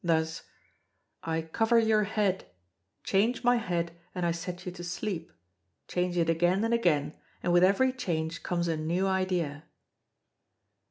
Thus: I cover your head; change my head, and I set you to sleep; change it again and again, and with every change comes a new idea.